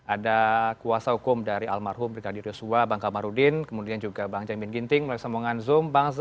ada kuasa hukum dari almarhum brigadir yosua bang kamarudin kemudian juga bang jamin ginting melalui sambungan zoom